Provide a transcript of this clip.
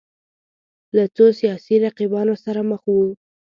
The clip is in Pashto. له څو سیاسي رقیبانو سره مخ وو